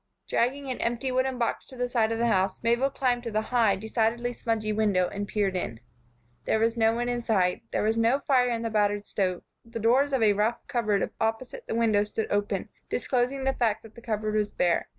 Dragging an empty wooden box to the side of the house, Mabel climbed to the high, decidedly smudgy window and peered in. There was no one inside. There was no fire in the battered stove. The doors of a rough cupboard opposite the window stood open, disclosing the fact that the cupboard was bare.